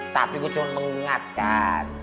tapi gue cuma mengingatkan